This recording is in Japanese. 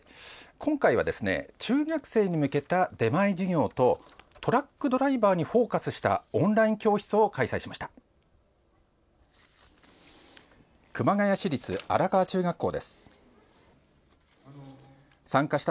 今回は中学生に向けた出前授業とトラックドライバーにフォーカスしたオンライン教室を開催しました。